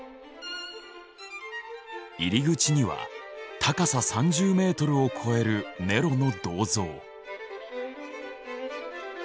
入り口には高さ３０メートルを超えるネロの銅像。